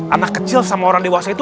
anak kecil sama orang dewasa itu